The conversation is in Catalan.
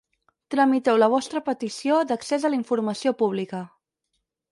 Tramiteu la vostra petició d'accés a la informació pública.